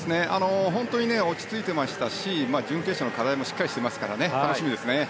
本当に落ち着いてましたし準決勝の課題もしっかりしていますから楽しみですね。